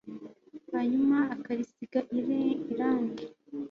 hanyuma akarisiga irange